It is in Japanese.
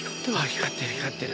光ってる光ってる。